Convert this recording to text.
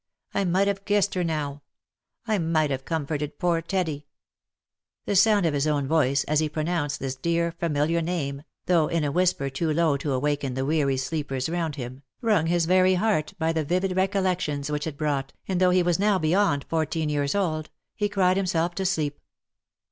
I might have kissed her now ! I might have comforted poor Teddy !" The sound of his own voice as he pronounced this dear familiar name, though in a whisper too low to awaken the weary sleepers round him, wrung his very heart by the vivid recollections which it brought, and though he was now beyond fourteen years old, he cried himself to sleep.